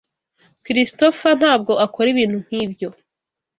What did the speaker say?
Christopher ntabwo akora ibintu nkibyo.